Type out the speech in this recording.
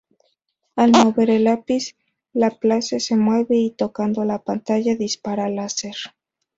Al mover el lápiz, Laplace se mueve, y tocando la pantalla dispara láser.